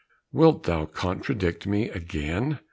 "Wilt thou contradict me again?"